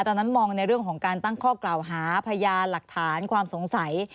ตอนนั้นมองในเรื่องของการตั้งข้อกล่าวหาพยานหลักฐานความสงสัย